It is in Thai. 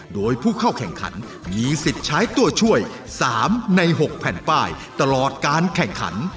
โดยผู้เข้าแข่งขันมีสิทธิ์ใช้ตัวช่วย๓ใน๖แผ่นป้ายตลอดการแข่งขัน